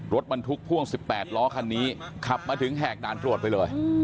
รถมันทุกข์พ่วงสิบแปดล้อคันนี้ขับมาถึงแหกด่านตรวจไปเลย